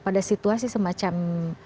pada situasi semacam